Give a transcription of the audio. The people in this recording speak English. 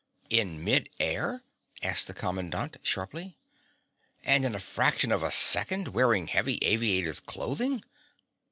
"In mid air?" asked the commandant sharply. "And in a fraction of a second, wearing heavy aviator's clothing?"